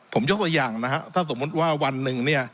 ผมยกตัวอย่างถ้าสมมติว่าวันหนึ่ง